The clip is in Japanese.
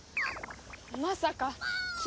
まさか君！